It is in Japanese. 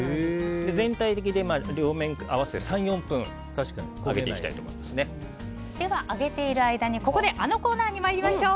全体的両面合わせ３４分では揚げている間に、ここであのコーナーに参りましょう。